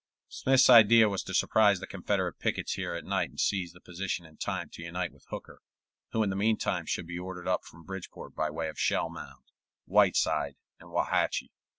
Smith's idea was to surprise the Confederate pickets here at night and seize the position in time to unite with Hooker, who in the meantime should be ordered up from Bridgeport by way of Shellmound, Whiteside, and Wauhatchie.